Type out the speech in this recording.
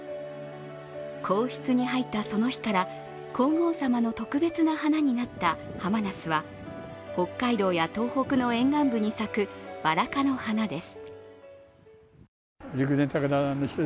皇室に入ったその日から皇后さまの特別な花となったハマナスは、北海道や東北の沿岸部に咲くバラ科の花です。